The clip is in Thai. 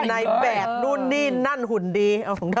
ในแบบนู่นนี่นั่นหุ่นดี